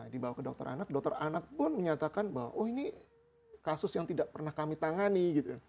dibawa ke dokter anak dokter anak pun menyatakan bahwa oh ini kasus yang tidak pernah kami tangani